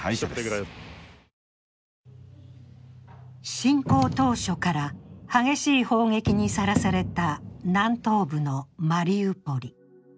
侵攻当初から激しい砲撃にさらされた南東部のマリウポリ。